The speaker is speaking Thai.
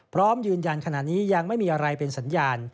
พร้อมยืนยันขณะนี้ยังไม่มีอะไรเป็นสัญญาณ